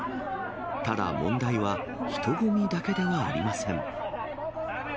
ただ、問題は人混みだけではありません。